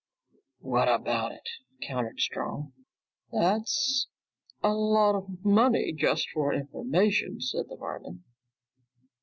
"What about it?" countered Strong. "That's a lot of money just for information," said the barman.